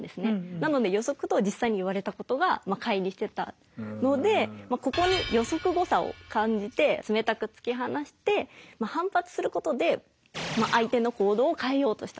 なので予測と実際に言われたことがかい離してたのでここに予測誤差を感じて冷たく突き放して反発することで相手の行動を変えようとした。